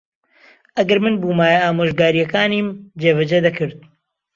ئەگەر من بوومایە، ئامۆژگارییەکانیم جێبەجێ دەکرد.